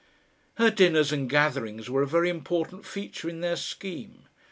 Her dinners and gatherings were a very important feature in their scheme.